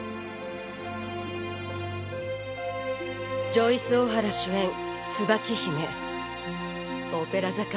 ジョイスオハラ主演『椿姫』オペラ座か。